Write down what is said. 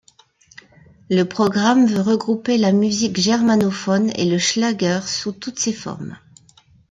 Le programme veut regrouper la musique germanophone et le schlager sous toutes ses formes.